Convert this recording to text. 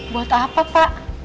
buat apa pak